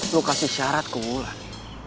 lo kasih syarat ke ulan